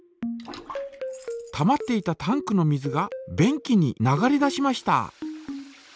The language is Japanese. たまっていたタンクの水が便器に流れ出しました。